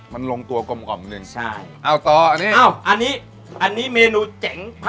มันลงตัวกลมกล่อมกันหนึ่งใช่เอาต่ออันนี้อ้าวอันนี้อันนี้เมนูเจ๋ง